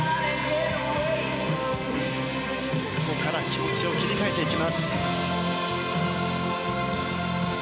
ここから気持ちを切り替えていきます。